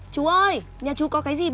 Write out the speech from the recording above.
thôi thôi thôi